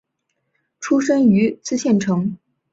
出身于茨城县。